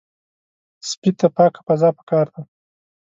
سپي ته پاکه فضا پکار ده.